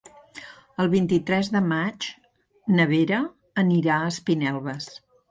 El vint-i-tres de maig na Vera anirà a Espinelves.